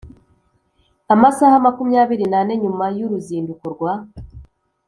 amasaha makumyabiri n'ane nyuma y'uruzinduko rwa